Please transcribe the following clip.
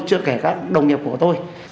chưa kể các đồng nghiệp của tôi